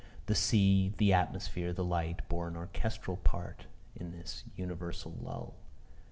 The sea, the atmosphere, the light, bore an orchestral part in this universal lull.